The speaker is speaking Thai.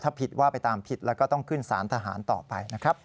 ถ้าผิดว่าไปตามผิดแล้วก็ต้องขึ้นสารทหารต่อไปนะครับ